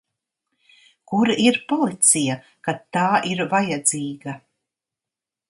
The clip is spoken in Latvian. Kur ir policija, kad tā ir vajadzīga?